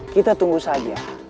kita tunggu saja